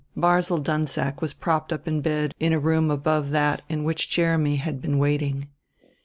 Barzil Dunsack was propped up in bed in a room above that in which Jeremy had been waiting.